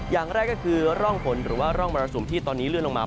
อย่างแรกก็คือร่องฝนหรือว่าร่องมรสุมที่ตอนนี้เลื่อนลงมา